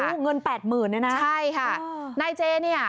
โอ้โหเงินแปดหมื่นเลยนะใช่ค่ะนายเจเนี่ย